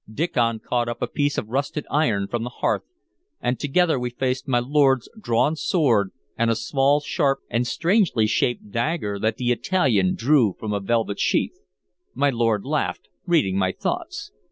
Diccon caught up a piece of rusted iron from the hearth, and together we faced my lord's drawn sword and a small, sharp, and strangely shaped dagger that the Italian drew from a velvet sheath. My lord laughed, reading my thoughts.